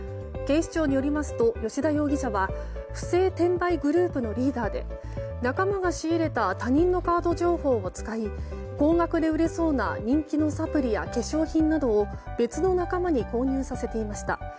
警視庁によりますと吉田容疑者は不正転売グループのリーダーで仲間が仕入れた他人のカード情報を使い高額で売れそうな人気のサプリや化粧品などを別の仲間に購入させていました。